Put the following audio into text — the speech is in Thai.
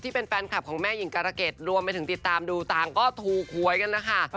แฟนคลับของแม่หญิงการะเกดรวมไปถึงติดตามดูต่างก็ถูกหวยกันนะคะ